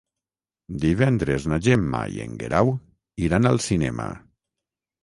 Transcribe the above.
Divendres na Gemma i en Guerau iran al cinema.